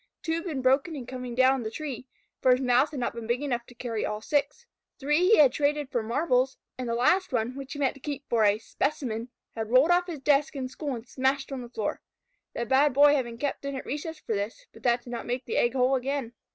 Two had been broken in coming down the tree (for his mouth had not been big enough to carry all six), three he had traded for marbles, and the last one, which he meant to keep for a "specimen," had rolled off his desk in school and smashed on the floor. The Bad Boy had been kept in at recess for this, but that did not make the egg whole again.